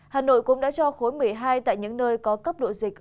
hà nội cũng đã cho khối một mươi hai tại những nơi có cấp độ dịch